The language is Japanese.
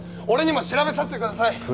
俺にも調べさせてください！